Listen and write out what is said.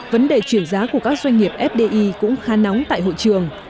vấn đề chuyển giá của các doanh nghiệp fdi cũng khá nóng tại hội trường